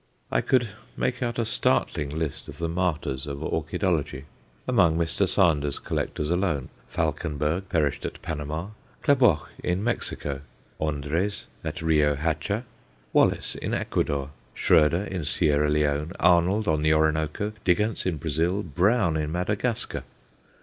I could make out a startling list of the martyrs of orchidology. Among Mr. Sander's collectors alone, Falkenberg perished at Panama, Klaboch in Mexico, Endres at Rio Hacha, Wallis in Ecuador, Schroeder in Sierra Leone, Arnold on the Orinoco, Digance in Brazil, Brown in Madagascar.